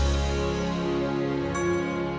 supaya jemput kita dari sini ya